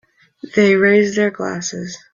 They raise their glasses.